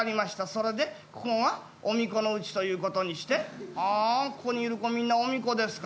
それでここが御巫女の家ということにしてああここにいる妓みんな御巫女ですか。